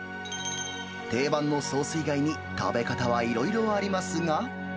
定番のソース以外に食べ方はいろいろありますが。